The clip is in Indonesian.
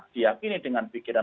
diyakini dengan pikiran